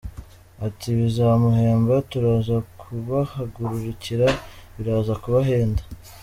Ati “Bizamuhenda, turaza kubahagurukira, biraza kubahenda.